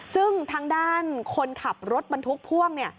ซึ่งทางด้านคนขับรถบรรทุกพ่วงเนี่ย